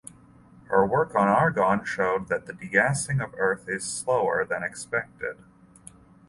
Her work on argon showed that the degassing of Earth is slower than expected.